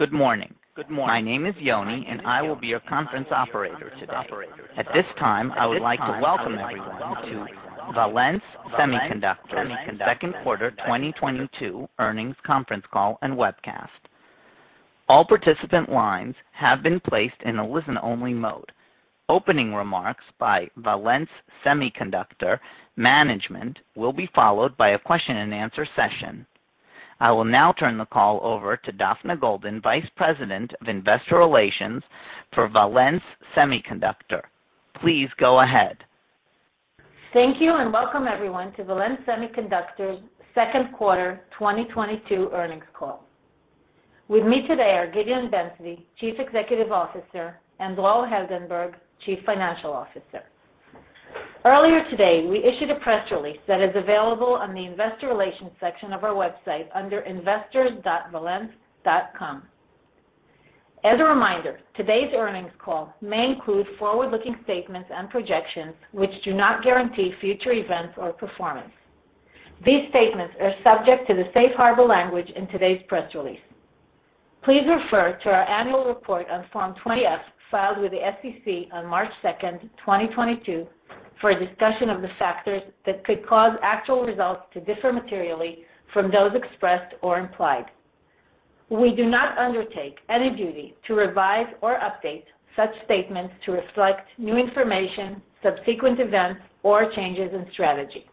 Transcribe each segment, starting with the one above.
Good morning. My name is Yoni, and I will be your conference operator today. At this time, I would like to welcome everyone to Valens Semiconductor Second Quarter 2022 Earnings Conference Call and Webcast. All participant lines have been placed in a listen-only mode. Opening remarks by Valens Semiconductor management will be followed by a question-and-answer session. I will now turn the call over to Daphna Golden, Vice President of Investor Relations for Valens Semiconductor. Please go ahead. Thank you, and welcome everyone to Valens Semiconductor Second Quarter 2022 earnings call. With me today are Gideon Ben-Zvi, Chief Executive Officer, and Dror Heldenberg, Chief Financial Officer. Earlier today, we issued a press release that is available on the investor relations section of our website under investors.valens.com. As a reminder, today's earnings call may include forward-looking statements and projections which do not guarantee future events or performance. These statements are subject to the safe harbor language in today's press release. Please refer to our annual report on Form 20-F filed with the SEC on March 2, 2022 for a discussion of the factors that could cause actual results to differ materially from those expressed or implied. We do not undertake any duty to revise or update such statements to reflect new information, subsequent events, or changes in strategy.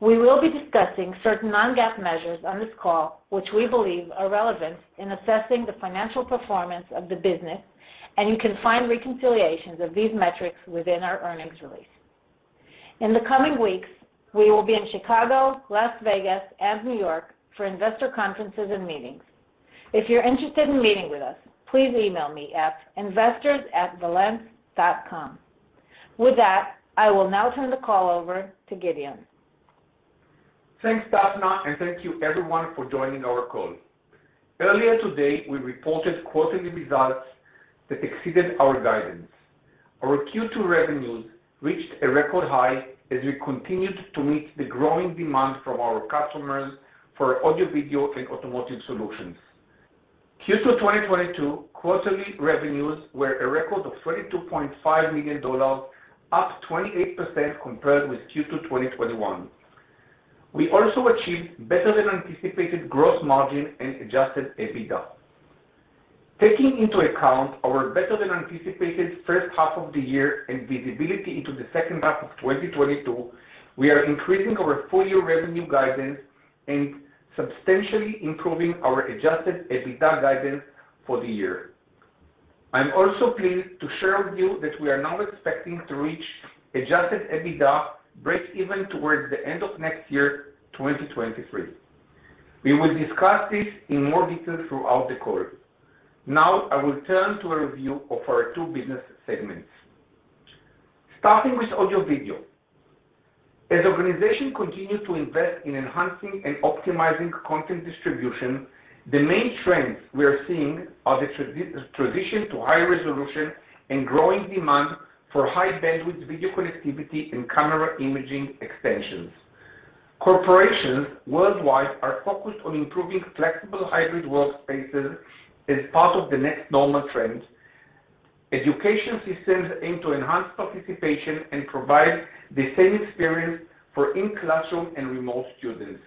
We will be discussing certain non-GAAP measures on this call, which we believe are relevant in assessing the financial performance of the business, and you can find reconciliations of these metrics within our earnings release. In the coming weeks, we will be in Chicago, Las Vegas, and New York for investor conferences and meetings. If you're interested in meeting with us, please email me at investors@Valens.com. With that, I will now turn the call over to Gideon. Thanks, Daphna, and thank you everyone for joining our call. Earlier today, we reported quarterly results that exceeded our guidance. Our Q2 revenues reached a record high as we continued to meet the growing demand from our customers for audio video and automotive solutions. Q2 2022 quarterly revenues were a record of $22.5 million, up 28% compared with Q2 2021. We also achieved better than anticipated gross margin and adjusted EBITDA. Taking into account our better than anticipated first half of the year and visibility into the second half of 2022, we are increasing our full-year revenue guidance and substantially improving our adjusted EBITDA guidance for the year. I'm also pleased to share with you that we are now expecting to reach adjusted EBITDA breakeven towards the end of next year, 2023. We will discuss this in more detail throughout the call. Now, I will turn to a review of our two business segments. Starting with audio-video. As organizations continue to invest in enhancing and optimizing content distribution, the main trends we are seeing are the transition to high-resolution and growing demand for high-bandwidth video connectivity and camera imaging extensions. Corporations worldwide are focused on improving flexible hybrid workspaces as part of the new normal trend. Education systems aim to enhance participation and provide the same experience for in-classroom and remote students.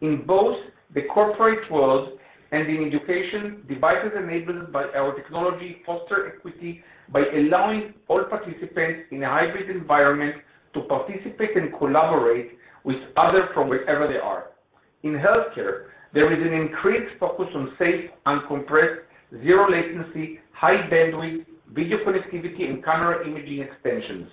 In both the corporate world and in education, devices enabled by our technology foster equity by allowing all participants in a hybrid environment to participate and collaborate with others from wherever they are. In healthcare, there is an increased focus on safe, uncompressed, zero-latency, high-bandwidth video connectivity and camera imaging extensions.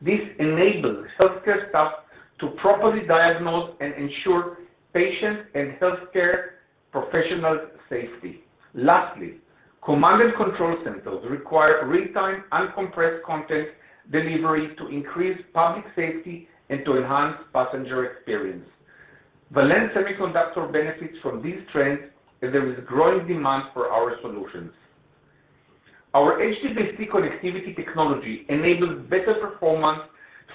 This enables healthcare staff to properly diagnose and ensure patient and healthcare professional safety. Lastly, command and control centers require real-time, uncompressed content delivery to increase public safety and to enhance passenger experience. Valens Semiconductor benefits from these trends as there is growing demand for our solutions. Our HDBaseT connectivity technology enables better performance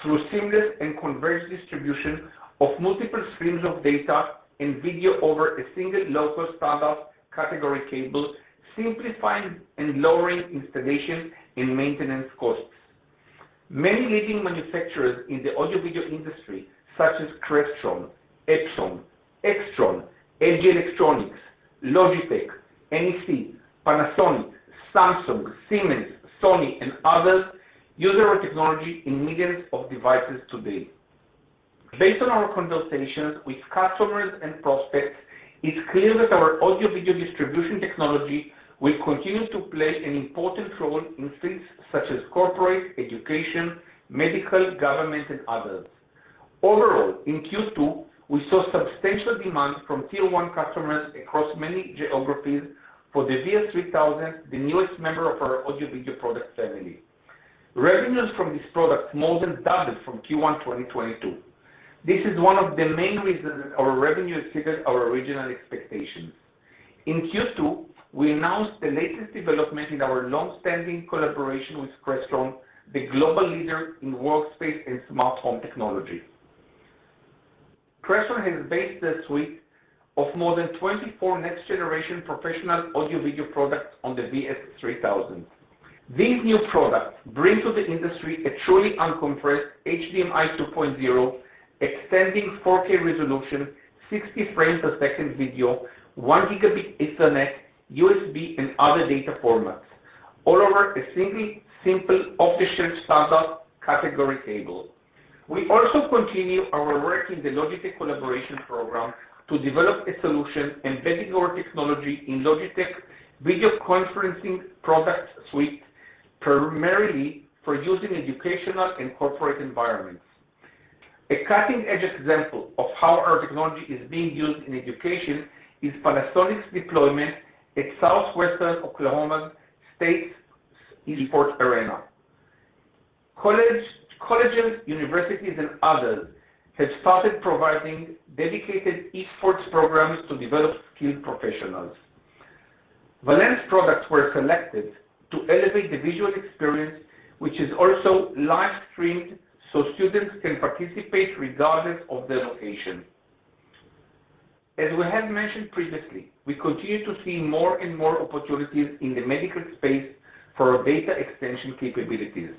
through seamless and converged distribution of multiple streams of data and video over a single low-cost standard category cable, simplifying and lowering installation and maintenance costs. Many leading manufacturers in the audio video industry, such as Crestron, Epson, Extron, LG Electronics, Logitech, NEC, Panasonic, Samsung, Siemens, Sony, and others, use our technology in millions of devices today. Based on our conversations with customers and prospects, it's clear that our audio video distribution technology will continue to play an important role in fields such as corporate, education, medical, government, and others. Overall, in Q2, we saw substantial demand from tier one customers across many geographies for the VS3000, the newest member of our audio video product family. Revenues from this product more than doubled from Q1 2022. This is one of the main reasons our revenue exceeded our original expectations. In Q2, we announced the latest development in our long-standing collaboration with Crestron, the global leader in workspace and smart home technology. Crestron has based their suite of more than 24 next generation professional audio/video products on the VS3000. These new products bring to the industry a truly uncompressed HDMI 2.0 extending 4K resolution, 60 frames a second video, 1 gigabit Ethernet, USB, and other data formats, all over a simple off-the-shelf standard category cable. We also continue our work in the Logitech collaboration program to develop a solution embedding our technology in Logitech video conferencing product suite, primarily for use in educational and corporate environments. A cutting-edge example of how our technology is being used in education is Panasonic's deployment at Southwestern Oklahoma State University's Esports Arena. Colleges, universities, and others have started providing dedicated Esports programs to develop skilled professionals. Valens products were selected to elevate the visual experience, which is also live-streamed so students can participate regardless of their location. As we have mentioned previously, we continue to see more and more opportunities in the medical space for our data extension capabilities.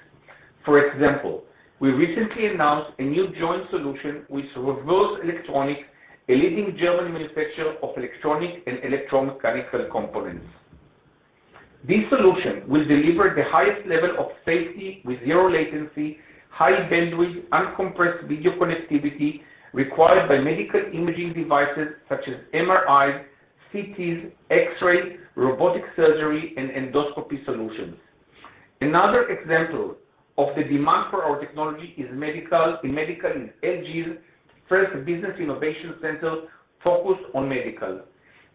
For example, we recently announced a new joint solution with Riedel Electronics, a leading German manufacturer of electronic and electromechanical components. This solution will deliver the highest level of safety with zero latency, high bandwidth, uncompressed video connectivity required by medical imaging devices such as MRIs, CTs, X-rays, robotic surgery, and endoscopy solutions. Another example of the demand for our technology is medical. In medical is LG's first business innovation center focused on medical.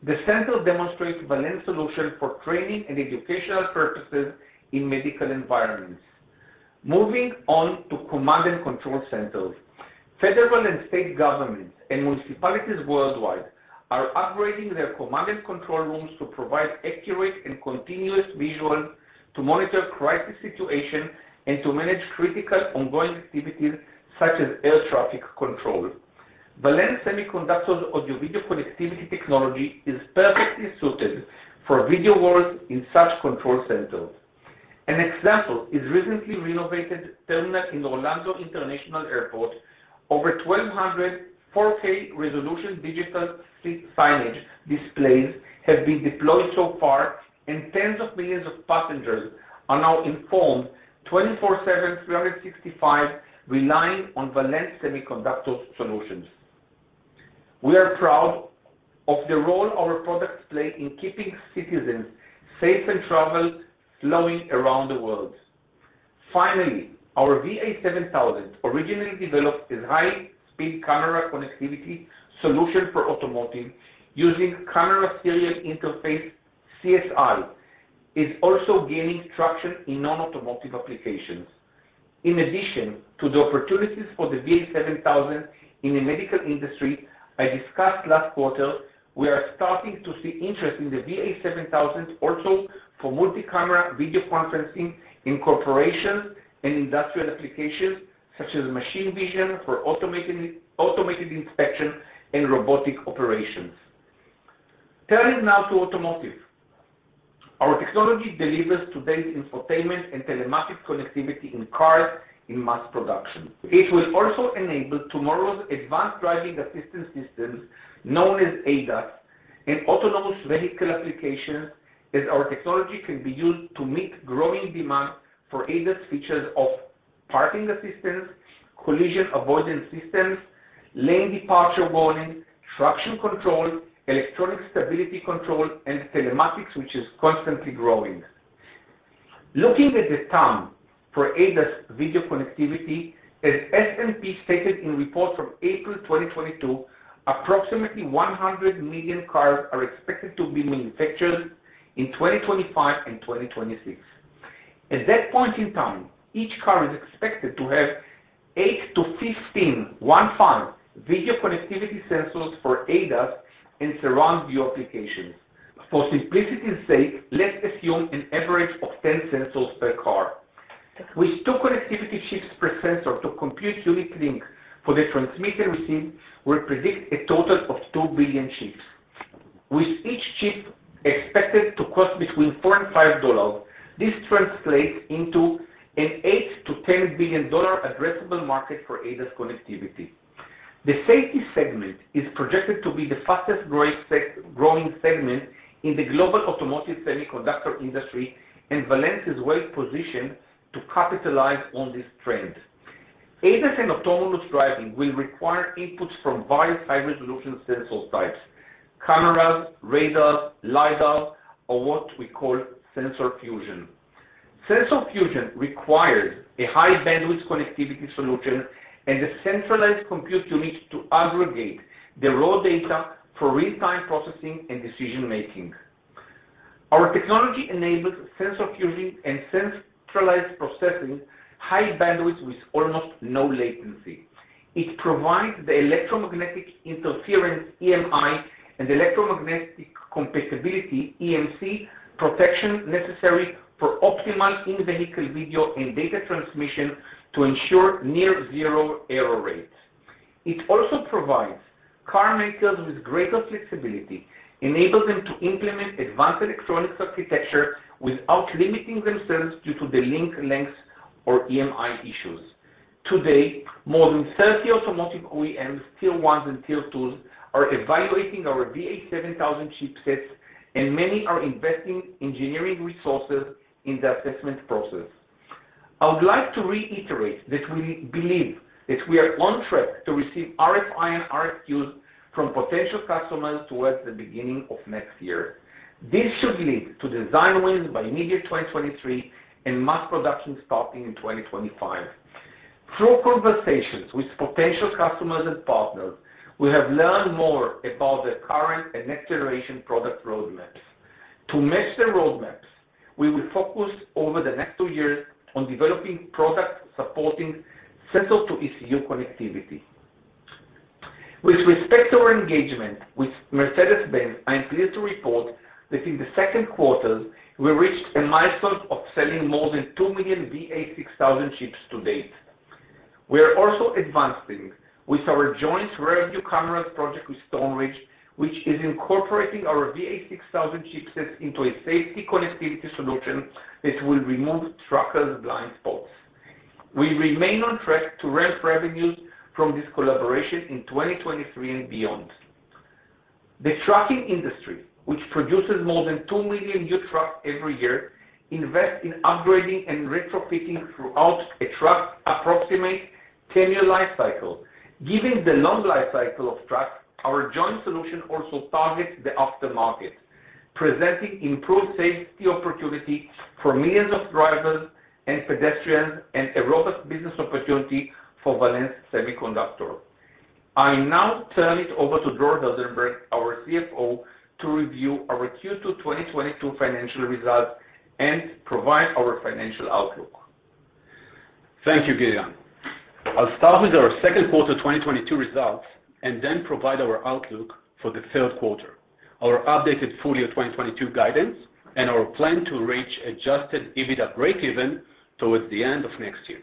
The center demonstrates Valens' solution for training and educational purposes in medical environments. Moving on to command and control centers. Federal and state governments and municipalities worldwide are upgrading their command and control rooms to provide accurate and continuous visuals to monitor crisis situation and to manage critical ongoing activities such as air traffic control. Valens Semiconductor's audio/video connectivity technology is perfectly suited for video walls in such control centers. An example is recently renovated terminal in Orlando International Airport. Over 1,200 4K resolution digital signage displays have been deployed so far, and tens of millions of passengers are now informed 24/7, 365, relying on Valens Semiconductor solutions. We are proud of the role our products play in keeping citizens safe and travel flowing around the world. Our VA7000, originally developed as high-speed camera connectivity solution for automotive using camera serial interface, CSI, is also gaining traction in non-automotive applications. In addition to the opportunities for the VA7000 in the medical industry I discussed last quarter, we are starting to see interest in the VA7000 also for multi-camera video conferencing in corporate and industrial applications such as machine vision for automated inspection and robotic operations. Turning now to automotive. Our technology delivers today's infotainment and telematics connectivity in cars in mass production. It will also enable tomorrow's advanced driving assistance systems, known as ADAS, and autonomous vehicle applications as our technology can be used to meet growing demand for ADAS features of parking assistance, collision avoidance systems, lane departure warning, traction control, electronic stability control, and telematics, which is constantly growing. Looking at the TAM for ADAS video connectivity, as S&P stated in report from April 2022, approximately 100 million cars are expected to be manufactured in 2025 and 2026. At that point in time, each car is expected to have eight to 15, 1.5 Video connectivity sensors for ADAS and surround view applications. For simplicity's sake, let's assume an average of 10 sensors per car. With two connectivity chips per sensor to compute unique link for the transmit and receive, we predict a total of 2 billion chips. With each chip expected to cost between $4 and $5, this translates into a $8-$10 billion addressable market for ADAS connectivity. The safety segment is projected to be the fastest growing growing segment in the global automotive semiconductor industry, and Valens is well-positioned to capitalize on this trend. ADAS and autonomous driving will require inputs from various high-resolution sensor types, cameras, radars, lidar, or what we call sensor fusion. Sensor fusion requires a high bandwidth connectivity solution and a centralized compute unit to aggregate the raw data for real-time processing and decision making. Our technology enables sensor fusion and centralized processing high bandwidth with almost no latency. It provides the electromagnetic interference, EMI, and electromagnetic compatibility, EMC, protection necessary for optimal in-vehicle video and data transmission to ensure near zero error rates. It also provides car makers with greater flexibility, enable them to implement advanced electronics architecture without limiting themselves due to the link lengths or EMI issues. Today, more than 30 automotive OEMs, tier ones and tier twos, are evaluating our VA7000 chipsets, and many are investing engineering resources in the assessment process. I would like to reiterate that we believe that we are on track to receive RFI and RFQs from potential customers towards the beginning of next year. This should lead to design wins by mid-year 2023 and mass production starting in 2025. Through conversations with potential customers and partners, we have learned more about their current and next generation product roadmaps. To match their roadmaps, we will focus over the next two years on developing products supporting sensor to ECU connectivity. With respect to our engagement with Mercedes-Benz, I am pleased to report that in the second quarter we reached a milestone of selling more than 2 million VA6000 chips to date. We are also advancing with our joint rear-view cameras project with Stoneridge, which is incorporating our VA6000 chipsets into a safety connectivity solution that will remove truckers' blind spots. We remain on track to ramp revenues from this collaboration in 2023 and beyond. The trucking industry, which produces more than 2 million new trucks every year, invest in upgrading and retrofitting throughout a truck's approximate 10-year life cycle. Given the long life cycle of trucks, our joint solution also targets the aftermarket, presenting improved safety opportunity for millions of drivers and pedestrians and a robust business opportunity for Valens Semiconductor. I now turn it over to Dror Heldenberg, our CFO, to review our Q2 2022 financial results and provide our financial outlook. Thank you, Gideon. I'll start with our second quarter 2022 results and then provide our outlook for the third quarter, our updated full year 2022 guidance and our plan to reach adjusted EBITDA breakeven towards the end of next year.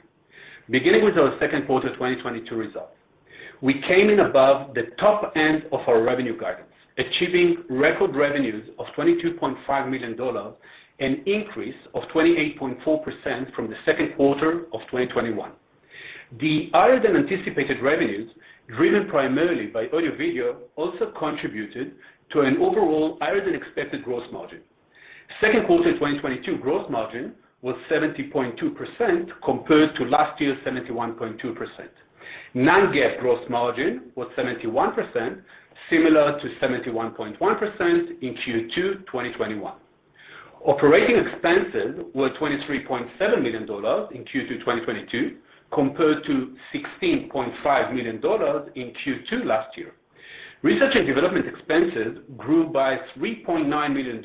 Beginning with our second quarter 2022 results. We came in above the top end of our revenue guidance, achieving record revenues of $22.5 million, an increase of 28.4% from the second quarter of 2021. The higher than anticipated revenues, driven primarily by audio video, also contributed to an overall higher than expected gross margin. Second quarter 2022 gross margin was 70.2% compared to last year, 71.2%. Non-GAAP gross margin was 71%, similar to 71.1% in Q2 2021. Operating expenses were $23.7 million in Q2 2022, compared to $16.5 million in Q2 last year. Research and development expenses grew by $3.9 million,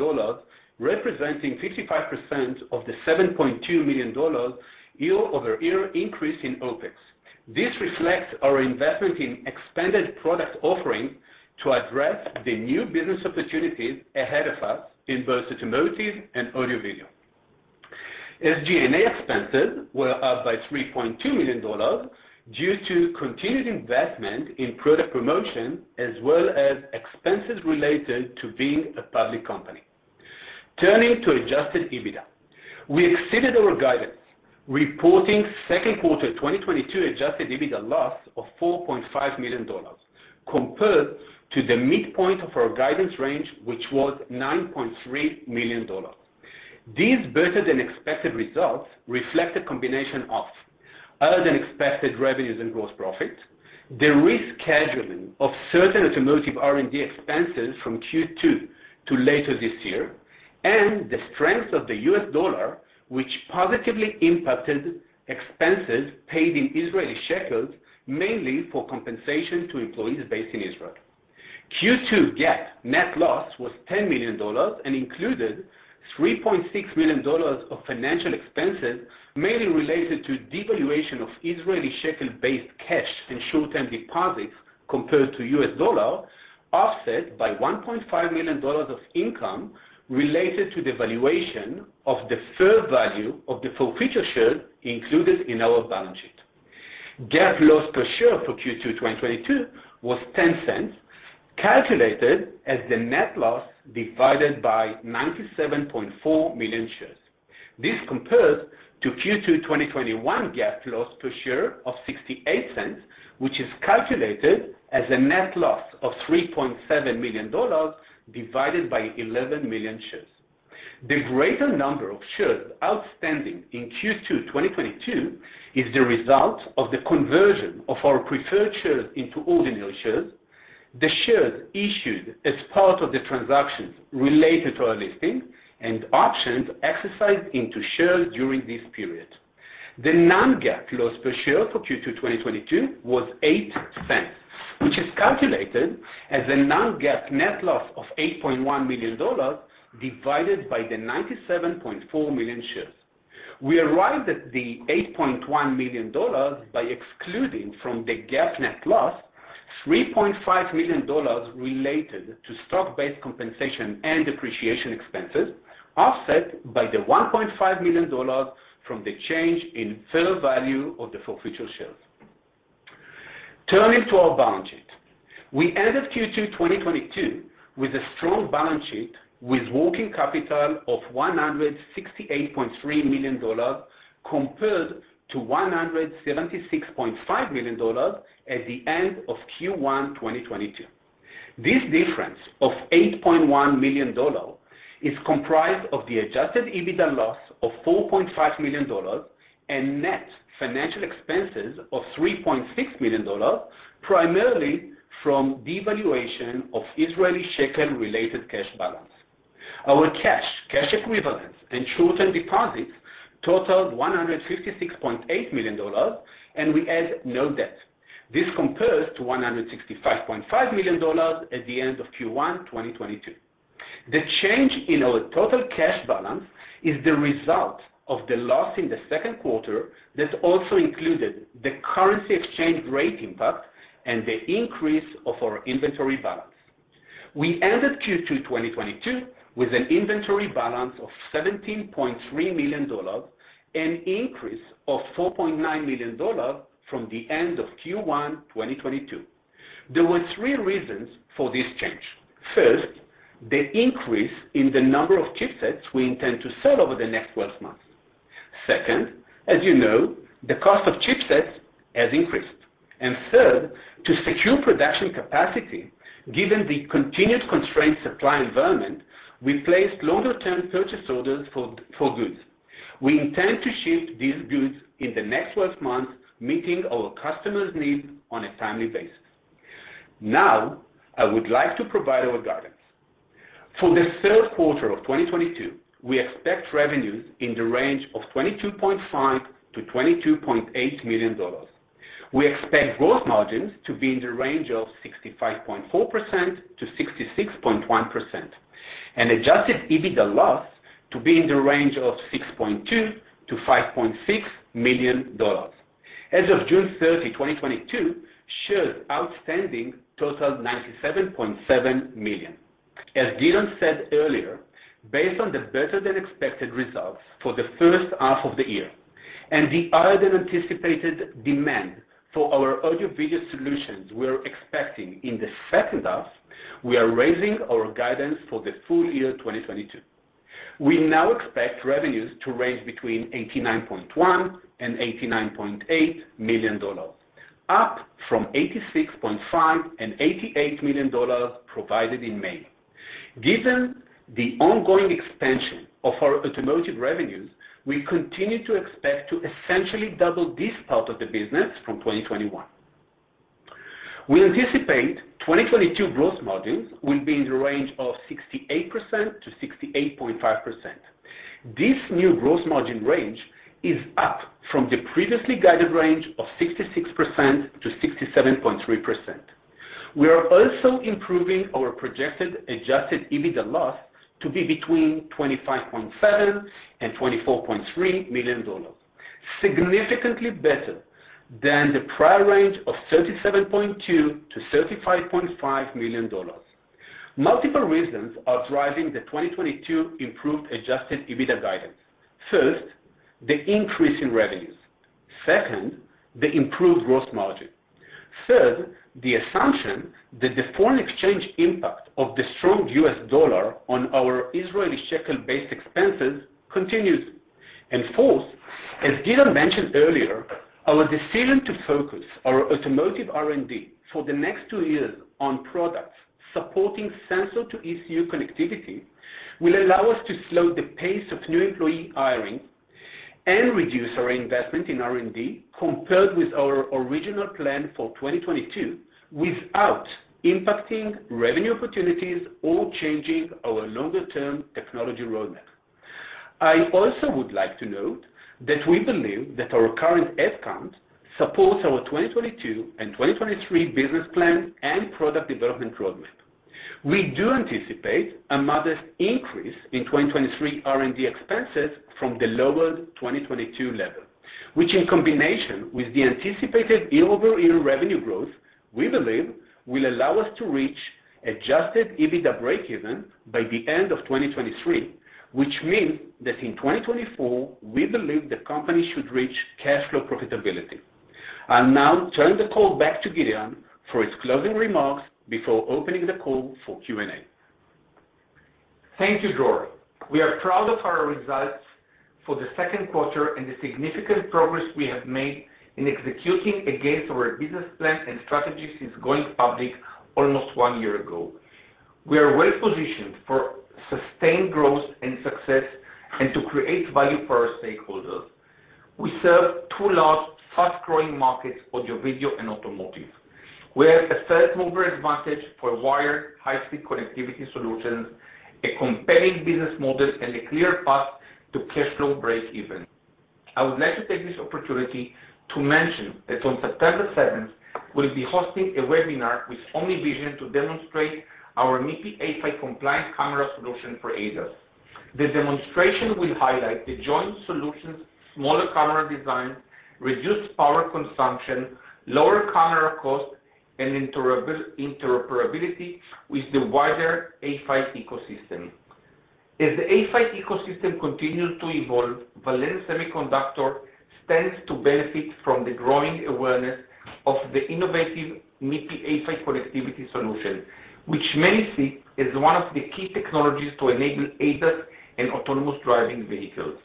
representing 55% of the $7.2 million year-over-year increase in OpEx. This reflects our investment in expanded product offerings to address the new business opportunities ahead of us in both automotive and audio-video. SG&A expenses were up by $3.2 million due to continued investment in product promotion as well as expenses related to being a public company. Turning to adjusted EBITDA. We exceeded our guidance, reporting second quarter 2022 adjusted EBITDA loss of $4.5 million compared to the midpoint of our guidance range, which was $9.3 million. These better than expected results reflect a combination of higher than expected revenues and gross profit, the rescheduling of certain automotive R&D expenses from Q2 to later this year, and the strength of the US dollar, which positively impacted expenses paid in Israeli shekels, mainly for compensation to employees based in Israel. Q2 GAAP net loss was $10 million and included $3.6 million of financial expenses, mainly related to devaluation of Israeli shekel-based cash and short-term deposits compared to US dollar, offset by $1.5 million of income related to the valuation of the fair value of the full feature shares included in our balance sheet. GAAP loss per share for Q2 2022 was $0.10, calculated as the net loss divided by 97.4 million shares. This compares to Q2 2021 GAAP loss per share of 68 cents, which is calculated as a net loss of $3.7 million divided by 11 million shares. The greater number of shares outstanding in Q2 2022 is the result of the conversion of our preferred shares into ordinary shares. The shares issued as part of the transactions related to our listing and options exercised into shares during this period. The non-GAAP loss per share for Q2 2022 was 8 cents, which is calculated as a non-GAAP net loss of $8.1 million divided by the 97.4 million shares. We arrived at the $8.1 million by excluding from the GAAP net loss $3.5 million related to stock-based compensation and depreciation expenses offset by the $1.5 million from the change in fair value of the forfeiture shares. Turning to our balance sheet. We ended Q2 2022 with a strong balance sheet with working capital of $168.3 million compared to $176.5 million at the end of Q1 2022. This difference of $8.1 million is comprised of the adjusted EBITDA loss of $4.5 million and net financial expenses of $3.6 million, primarily from devaluation of Israeli shekel-related cash balance. Our cash equivalents, and short-term deposits totaled $156.8 million, and we had no debt. This compares to $165.5 million at the end of Q1 2022. The change in our total cash balance is the result of the loss in the second quarter that also included the currency exchange rate impact and the increase of our inventory balance. We ended Q2 2022 with an inventory balance of $17.3 million, an increase of $4.9 million from the end of Q1 2022. There were three reasons for this change. First, the increase in the number of chipsets we intend to sell over the next 12 months. Second, as you know, the cost of chipsets has increased. Third, to secure production capacity, given the continued constrained supply environment, we placed longer-term purchase orders for goods. We intend to ship these goods in the next 12 months, meeting our customers' needs on a timely basis. Now, I would like to provide our guidance. For the third quarter of 2022, we expect revenues in the range of $22.5 million-$22.8 million. We expect gross margins to be in the range of 65.4%-66.1% and adjusted EBITDA loss to be in the range of $6.2 million-$5.6 million. As of June 30, 2022, shares outstanding totaled 97.7 million. As Gideon said earlier, based on the better than expected results for the first half of the year and the higher than anticipated demand for our audio video solutions we're expecting in the second half, we are raising our guidance for the full year 2022. We now expect revenues to range between $89.1 million-$89.8 million, up from $86.5 million-$88 million provided in May. Given the ongoing expansion of our automotive revenues, we continue to expect to essentially double this part of the business from 2021. We anticipate 2022 gross margins will be in the range of 68%-68.5%. This new gross margin range is up from the previously guided range of 66%-67.3%. We are also improving our projected adjusted EBITDA loss to be between $25.7 million and $24.3 million, significantly better than the prior range of $37.2 million-$35.5 million. Multiple reasons are driving the 2022 improved adjusted EBITDA guidance. First, the increase in revenues. Second, the improved gross margin. Third, the assumption that the foreign exchange impact of the strong US dollar on our Israeli shekel-based expenses continues. Fourth, as Gideon mentioned earlier, our decision to focus our automotive R&D for the next two years on products supporting sensor to ECU connectivity will allow us to slow the pace of new employee hiring and reduce our investment in R&D compared with our original plan for 2022 without impacting revenue opportunities or changing our longer-term technology roadmap. I also would like to note that we believe that our current headcount supports our 2022 and 2023 business plan and product development roadmap. We do anticipate a modest increase in 2023 R&D expenses from the lowered 2022 level, which in combination with the anticipated year-over-year revenue growth, we believe will allow us to reach adjusted EBITDA breakeven by the end of 2023, which means that in 2024, we believe the company should reach cash flow profitability. I'll now turn the call back to Gideon for his closing remarks before opening the call for Q&A. Thank you, Dror. We are proud of our results for the second quarter and the significant progress we have made in executing against our business plan and strategy since going public almost one year ago. We are well positioned for sustained growth and success and to create value for our stakeholders. We serve two large, fast-growing markets, audio video and automotive, where a first-mover advantage for wired high-speed connectivity solutions, a compelling business model, and a clear path to cash flow breakeven. I would like to take this opportunity to mention that on September seventh, we'll be hosting a webinar with OmniVision to demonstrate our MIPI A-PHY compliant camera solution for ADAS. The demonstration will highlight the joint solution's smaller camera design, reduced power consumption, lower camera cost, and interoperability with the wider A-PHY ecosystem. As the A-PHY ecosystem continues to evolve, Valens Semiconductor stands to benefit from the growing awareness of the innovative MIPI A-PHY connectivity solution, which many see as one of the key technologies to enable ADAS and autonomous driving vehicles.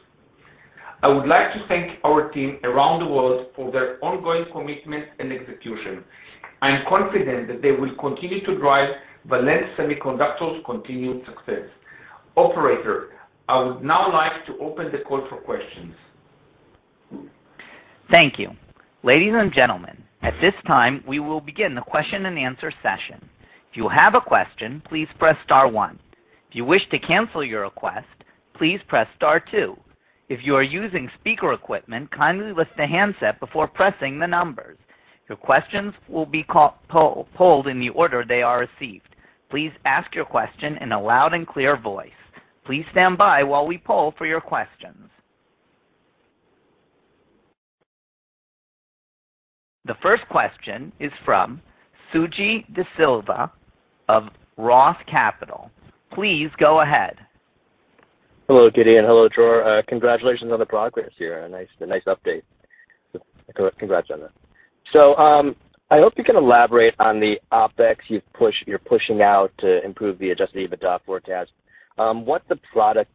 I would like to thank our team around the world for their ongoing commitment and execution. I am confident that they will continue to drive Valens Semiconductor's continued success. Operator, I would now like to open the call for questions. Thank you. Ladies and gentlemen, at this time, we will begin the question and answer session. If you have a question, please press star one. If you wish to cancel your request, please press star two. If you are using speaker equipment, kindly lift the handset before pressing the numbers. Your questions will be polled in the order they are received. Please ask your question in a loud and clear voice. Please stand by while we poll for your questions. The first question is from Suji DeSilva of ROTH Capital Partners. Please go ahead. Hello, Gideon. Hello, Dror. Congratulations on the progress here. A nice update. Congrats on that. I hope you can elaborate on the OpEx you're pushing out to improve the adjusted EBITDA forecast. What the product,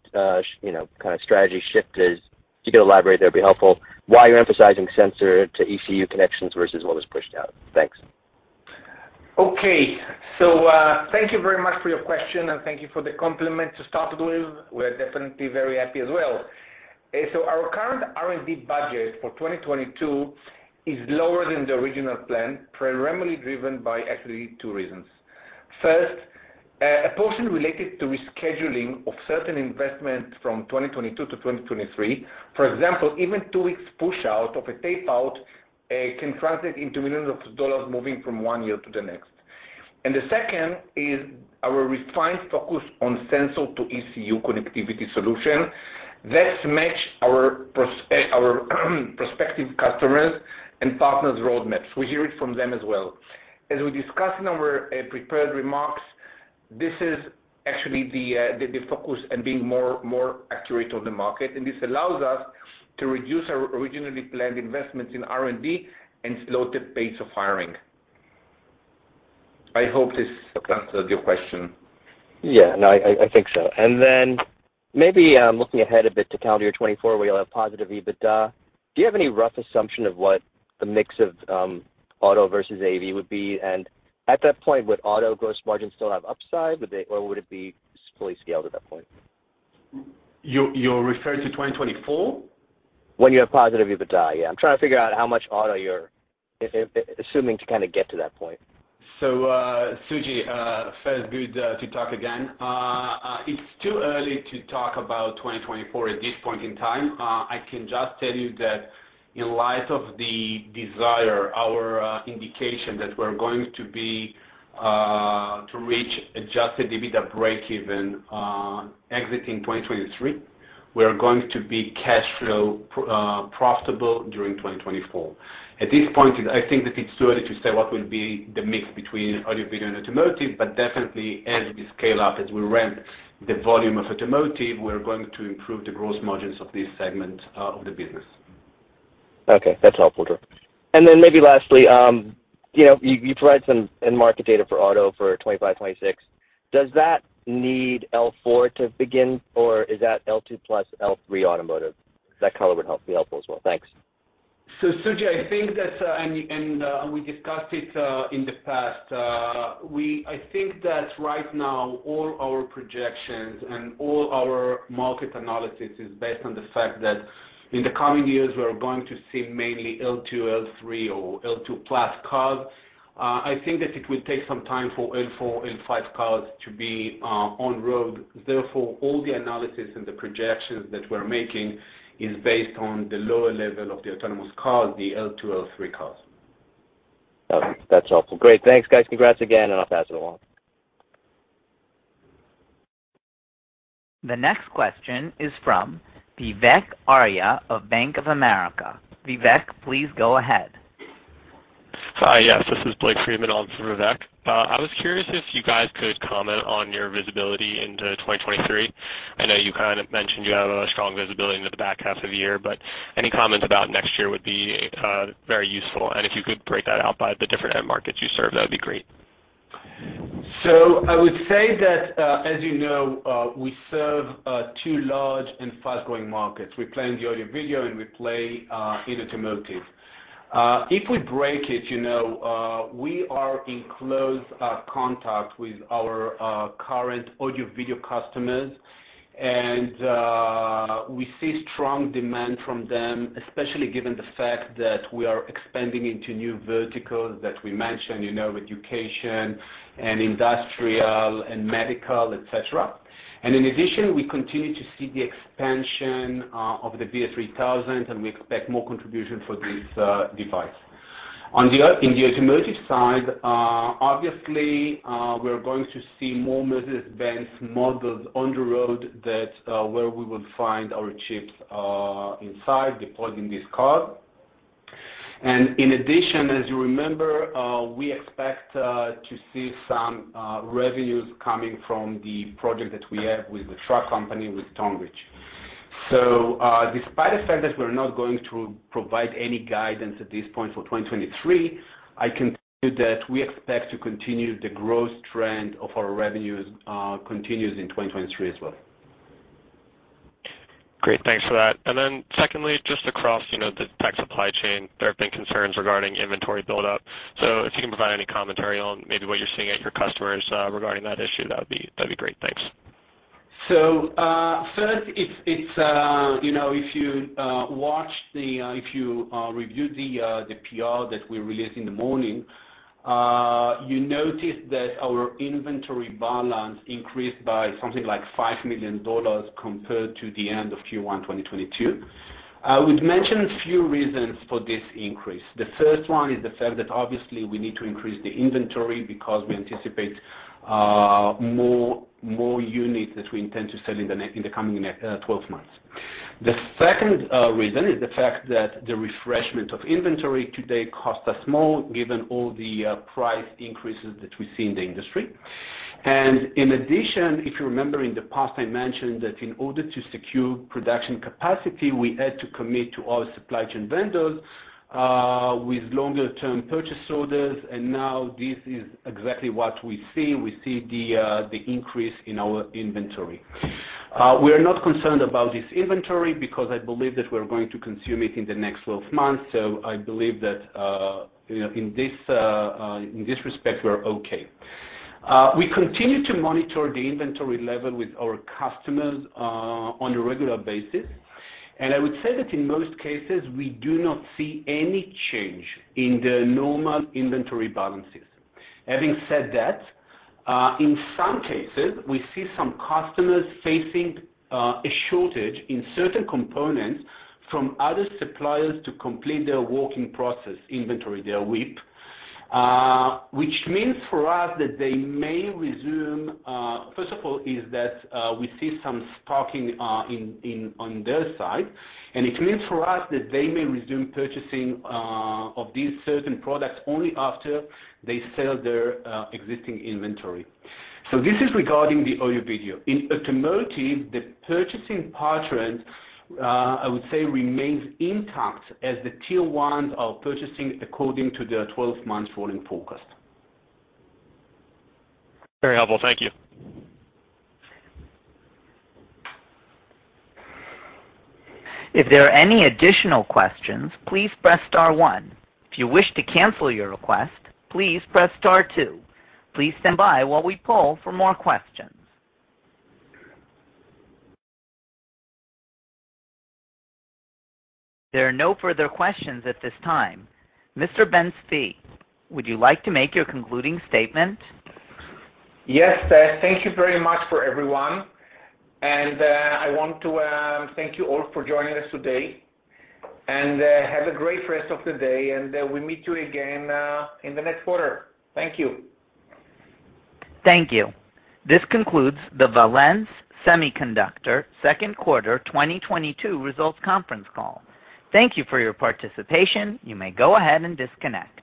you know, kind of, strategy shift is. If you could elaborate there, it'd be helpful. Why you're emphasizing sensor to ECU connections versus what was pushed out? Thanks. Okay. Thank you very much for your question, and thank you for the compliment to start with. We're definitely very happy as well. Our current R&D budget for 2022 is lower than the original plan, primarily driven by actually two reasons. First, a portion related to rescheduling of certain investments from 2022 to 2023. For example, even two weeks push out of a tape out can translate into millions of dollars moving from one year to the next. The second is our refined focus on sensor to ECU connectivity solution that match our prospective customers and partners' roadmaps. We hear it from them as well. As we discussed in our prepared remarks, this is actually the focus and being more accurate on the market, and this allows us to reduce our originally planned investments in R&D and slow the pace of hiring. I hope this answered your question. Yeah. No, I think so. Then maybe looking ahead a bit to calendar 2024, where you'll have positive EBITDA, do you have any rough assumption of what the mix of auto versus AV would be? At that point, would auto gross margins still have upside? Would they or would it be fully scaled at that point? You're referring to 2024? When you have positive EBITDA, yeah. I'm trying to figure out how much auto you're assuming to, kind of, get to that point. Suji, feels good to talk again. It's too early to talk about 2024 at this point in time. I can just tell you that in light of our indication that we're going to reach adjusted EBITDA breakeven exiting 2023, we are going to be cash flow profitable during 2024. At this point I think that it's too early to say what will be the mix between audio video and automotive, but definitely as we scale up, as we ramp the volume of automotive, we are going to improve the gross margins of this segment of the business. Okay. That's helpful, Dror. Then maybe lastly, you know, you provide some end market data for auto for 2025, 2026. Does that need L4 to begin, or is that L2 plus L3 automotive? That color would be helpful as well. Thanks. Suji, I think that we discussed it in the past. I think that right now all our projections and all our market analysis is based on the fact that in the coming years, we are going to see mainly L2, L3 or L2 plus cars. I think that it will take some time for L4, L5 cars to be on road. Therefore, all the analysis and the projections that we're making is based on the lower level of the autonomous cars, the L2, L3 cars. Okay. That's helpful. Great. Thanks, guys. Congrats again, and I'll pass it along. The next question is from Vivek Arya of Bank of America. Vivek, please go ahead. Hi. Yes, this is Blake Friedman on for Vivek. I was curious if you guys could comment on your visibility into 2023. I know you, kind of, mentioned you have a strong visibility into the back half of the year, but any comment about next year would be very useful. If you could break that out by the different end markets you serve, that'd be great. I would say that, as you know, we serve two large and fast-growing markets. We play in the audio/video, and we play in automotive. If we break it, you know, we are in close contact with our current audio/video customers, and we see strong demand from them, especially given the fact that we are expanding into new verticals that we mentioned, you know, education and industrial and medical, et cetera. In addition, we continue to see the expansion of the VS3000, and we expect more contribution for this device. On the automotive side, obviously, we're going to see more Mercedes-Benz models on the road that where we will find our chips inside deployed in this car. In addition, as you remember, we expect to see some revenues coming from the project that we have with the truck company, with Stoneridge. Despite the fact that we're not going to provide any guidance at this point for 2023, I can say that we expect to continue the growth trend of our revenues continues in 2023 as well. Great, thanks for that. Secondly, just across, you know, the tech supply chain, there have been concerns regarding inventory buildup. If you can provide any commentary on maybe what you're seeing at your customers, regarding that issue, that'd be great. Thanks. First, it's you know, if you review the PR that we released in the morning, you notice that our inventory balance increased by something like $5 million compared to the end of Q1 2022. I would mention a few reasons for this increase. The first one is the fact that obviously we need to increase the inventory because we anticipate more units that we intend to sell in the coming 12 months. The second reason is the fact that the refreshment of inventory today costs us more given all the price increases that we see in the industry. In addition, if you remember in the past, I mentioned that in order to secure production capacity, we had to commit to our supply chain vendors with longer-term purchase orders, and now this is exactly what we see. We see the increase in our inventory. We're not concerned about this inventory because I believe that we're going to consume it in the next 12 months, so I believe that, you know, in this respect, we're okay. We continue to monitor the inventory level with our customers on a regular basis. I would say that in most cases, we do not see any change in the normal inventory balances. Having said that, in some cases, we see some customers facing a shortage in certain components from other suppliers to complete their working process inventory, their WIP. Which means for us that they may resume. First of all, that is, we see some stocking on their side, and it means for us that they may resume purchasing of these certain products only after they sell their existing inventory. This is regarding the audio/video. In automotive, the purchasing pattern I would say remains intact as the tier ones are purchasing according to their 12-month rolling forecast. Very helpful. Thank you. If there are any additional questions, please press star one. If you wish to cancel your request, please press star two. Please stand by while we poll for more questions. There are no further questions at this time. Mr. Ben-Zvi, would you like to make your concluding statement? Yes. Thank you very much for everyone. I want to thank you all for joining us today. Have a great rest of the day, and we meet you again in the next quarter. Thank you. Thank you. This concludes the Valens Semiconductor Second Quarter 2022 Results Conference Call. Thank you for your participation. You may go ahead and disconnect.